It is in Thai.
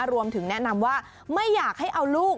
รวมถึงแนะนำว่าไม่อยากให้เอาลูก